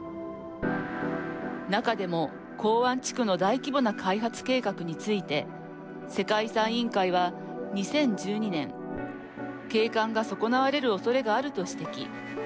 中でも、港湾地区の大規模な開発計画について世界遺産委員会は２０１２年景観が損われるおそれがあると指摘。